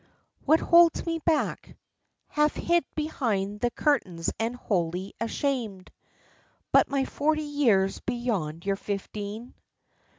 What holds me back, Half hid behind the curtains and wholly ashamed, But my forty years beyond your fifteen?